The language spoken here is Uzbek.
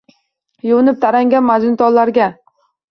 Yuvinib tarangan majnuntollarga